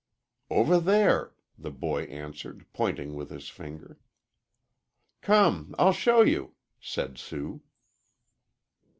"Over there," the boy answered, pointing with his finger. "Come, I'll show you," said Sue.